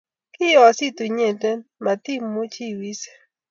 kiiyositu inyete matiimuchi iwise